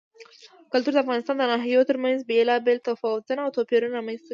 کلتور د افغانستان د ناحیو ترمنځ بېلابېل تفاوتونه او توپیرونه رامنځ ته کوي.